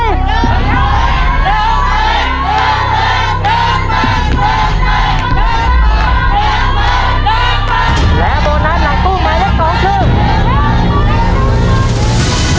เติมใหม่